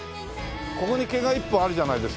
ここに毛が１本あるじゃないですか。